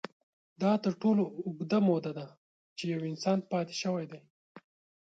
دا تر ټولو اوږده موده ده، چې یو انسان پاتې شوی دی.